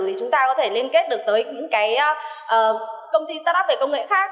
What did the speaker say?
thì chúng ta có thể liên kết được tới những cái công ty start up về công nghệ khác